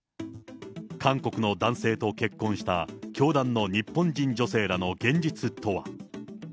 韓国の男性と結婚した教団の日本人女性らの現実とは。